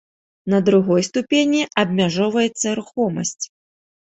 На другой ступені абмяжоўваецца рухомасць.